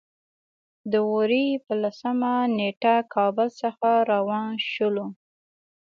د وري په لسمه نېټه کابل څخه روان شولو.